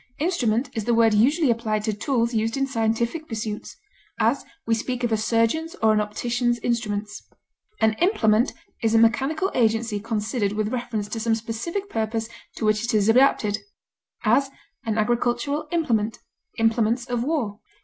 Instrument is the word usually applied to tools used in scientific pursuits; as, we speak of a surgeon's or an optician's instruments. An implement is a mechanical agency considered with reference to some specific purpose to which it is adapted; as, an agricultural implement; implements of war.